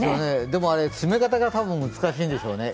でもあれ、詰め方が多分難しいんでしょうね。